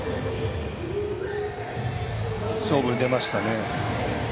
勝負に出ましたね。